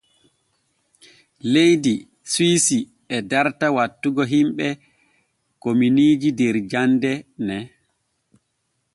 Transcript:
Leydi Suwisi e darta wattugo himɓe kominiiji der jande ne.